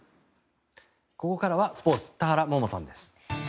ここからはスポーツ田原萌々さんです。